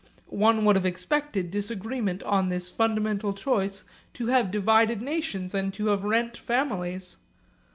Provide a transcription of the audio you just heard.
One would have expected disagreement on this fundamental choice to have divided nations and to have rent families.